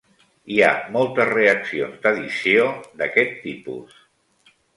Hi ha moltes reaccions d'addició d'aquest tipus.